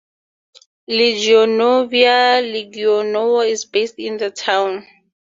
Legionovia Legionowo is based in the town.